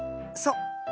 そう。